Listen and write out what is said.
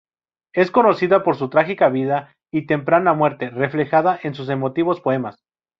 Es conocida por su trágica vida y temprana muerte, reflejada en sus emotivos poemas.